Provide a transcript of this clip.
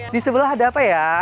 di sebelah ada apa ya